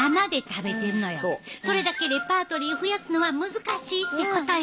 それだけレパートリー増やすのは難しいってことよ。